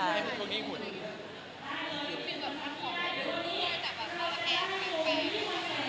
ไม่มีโทรกี้หุ่นอีกหรือเป็นแบบท่านของคนเดียวด้วยแต่แบบแอบแปลก